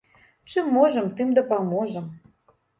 Чым можам, тым дапаможам.